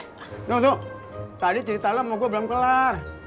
tunggu tunggu tadi cerita lu sama gua belum kelar